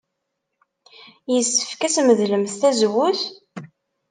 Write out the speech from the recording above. Yessefk ad tmedlemt tazewwut?